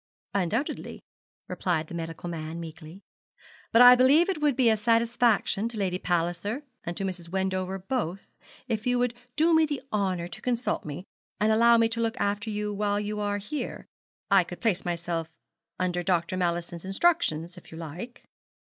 'Undoubtedly,' replied the medical man, meekly. 'But I believe it would be a satisfaction to Lady Palliser and to Mrs. Wendover both if you would do me the honour to consult me, and allow me to look after you while you are here, I could place myself under Dr. Mallison's instructions, if you like.'